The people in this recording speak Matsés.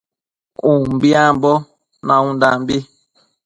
Umbiambo naundambi